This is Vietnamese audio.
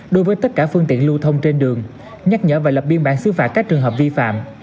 đối với tất cả phương tiện lưu thông trên đường nhắc nhở và lập biên bản xứ phạt các trường hợp vi phạm